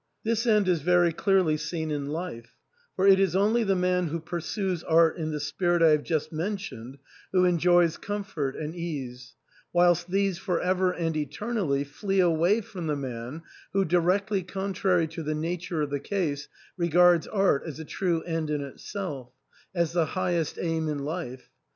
This end is very clearly seen in life ; for it is only the man who pursues art in the spirit I have just mentioned who enjoys comfort and ease ; whilst these for ever and eternally flee away from the man who, directly contrary to the nature of the case, regards art as a true end in itself — as the highest aim in life.